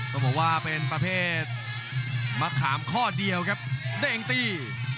ต้องบอกว่าเป็นประเภทมะขามข้อเดียวครับเด้งตี